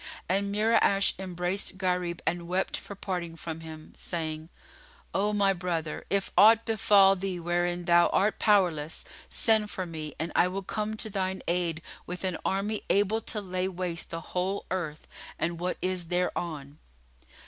And Mura'ash embraced Gharib and wept for parting from him, saying, "O my brother, if aught befal thee wherein thou art powerless, send for me and I will come to thine aid with an army able to lay waste the whole earth and what is thereon."